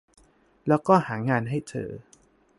แล้วก็ หางานให้เธอ